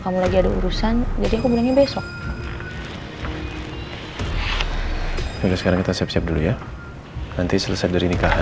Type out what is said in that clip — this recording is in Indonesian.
aku baik baik aja kok disini